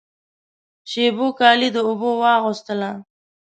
شېبو کالی د اوبو واغوستله